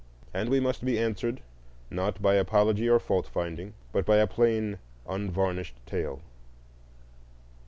and we must be answered, not by apology or fault finding, but by a plain, unvarnished tale.